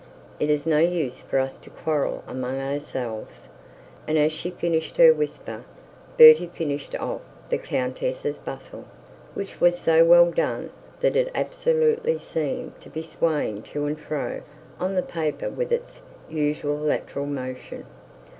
It is no use for us to quarrel among ourselves,' and as she finished her whisper, Bertie finished off the countess's bustle, which was so well done that it absolutely seemed to be swaying to and fro on the paper with its usual lateral motion.